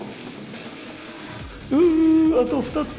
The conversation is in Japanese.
ううあと２つ。